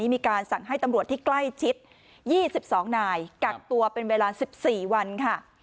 มีการสั่งให้ตำรวจที่ใกล้ชิด๒๒นายกักตัวเป็นเวลา๑๔วันค่ะ